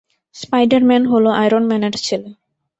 Spider Man হলো Iron ম্যানের ছেলে।